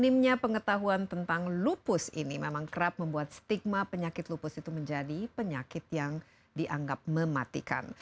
minimnya pengetahuan tentang lupus ini memang kerap membuat stigma penyakit lupus itu menjadi penyakit yang dianggap mematikan